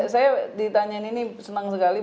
saya ditanyain ini senang sekali